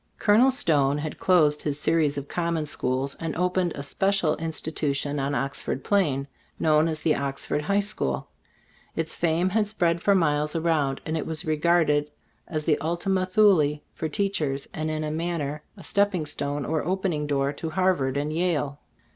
Col onel Stone had closed his series of common schools, and opened a spe cial institution on "Oxford Plain, known as the "Oxford High School. Its fame had spread for miles around, and it was regarded as the Ultima Thule for teachers, and in a manner a stepping stone or opening door to Harvard and Yale.